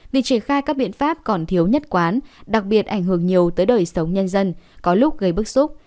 việc triển khai các biện pháp còn thiếu nhất quán đặc biệt ảnh hưởng nhiều tới đời sống nhân dân có lúc gây bức xúc